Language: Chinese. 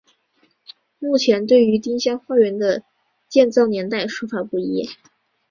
目前对于丁香花园的建造年代说法不一。